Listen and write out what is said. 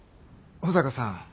保坂さん